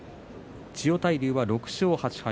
千代大龍は６勝８敗。